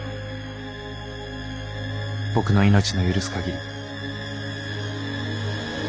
僕の命の許す限り。